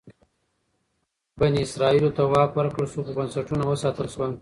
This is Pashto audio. بني اسرائیلو ته واک ورکړل شو خو بنسټونه وساتل شول.